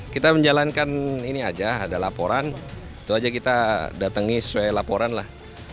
kita menjalankan ini aja ada laporan itu aja kita datangi sesuai laporan lah